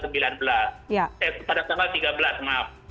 eh pada tanggal tiga belas maaf